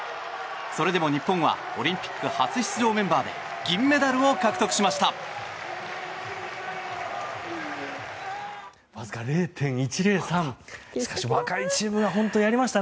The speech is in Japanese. それでも日本はオリンピック初出場メンバーで銀メダルを獲得しました。